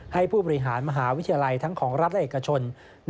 ให้ผู้บริหารมหาวิทยาลัยทั้งของรัฐและเอกชน